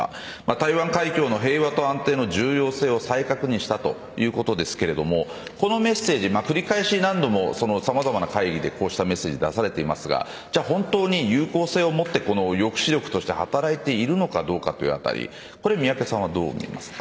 台湾環境の平和と安定の重要性を確認したというメッセージを繰り返し何度もさまざまな会議で出されていますが本当に有効性をもって抑止力として働いているのかどうかというあたり宮家さんは、どう見ますか。